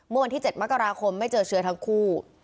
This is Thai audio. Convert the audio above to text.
เมื่อวันที่๗มกราคมไม่เจอเชื้อทั้งคู่